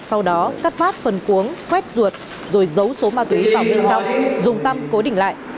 sau đó cắt phát phần cuống quét ruột rồi giấu số ma túy vào bên trong dùng tăm cố định lại